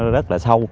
rất là sâu